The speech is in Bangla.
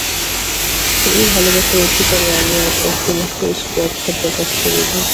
সেই ভালোবাসার অধিকারে আমি আজ একটিমাত্র স্পর্ধা প্রকাশ করিব।